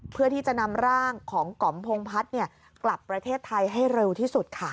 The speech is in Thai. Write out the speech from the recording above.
เพื่อที่จะนำร่างของก๋อมพงพัฒน์กลับประเทศไทยให้เร็วที่สุดค่ะ